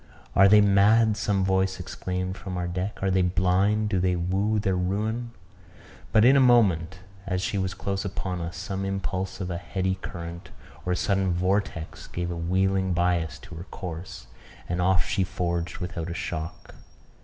"Are they mad?" some voice exclaimed from our deck. "Are they blind? Do they woo their ruin?" But in a moment, as she was close upon us, some impulse of a heady current or sudden vortex gave a wheeling bias to her course, and off she forged without a shock.